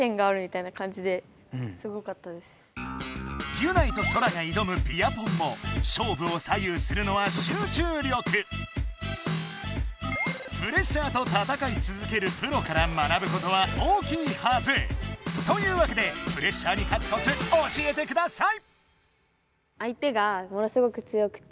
ギュナイとソラがいどむプレッシャーと戦い続けるプロから学ぶことは大きいはず！というわけでプレッシャーに勝つコツ教えてください！